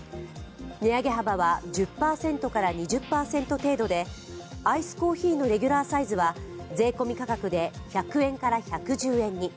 値上げ幅は１０％から２０％程度でアイスコーヒーのレギュラーサイズは税込み価格で１００円から１１０円に。